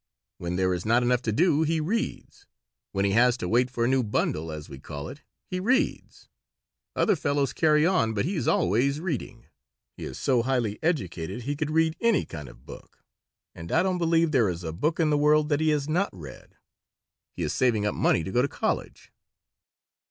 "When there is not enough to do he reads. When he has to wait for a new 'bundle,' as we call it, he reads. Other fellows carry on, but he is always reading. He is so highly educated he could read any kind of book, and I don't believe there is a book in the world that he has not read. He is saving up money to go to college."